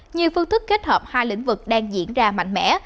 nhiều phương thức kết hợp hai lĩnh vực đang diễn ra mạnh mẽ